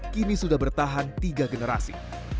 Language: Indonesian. kini sudah bertahan tiga generasi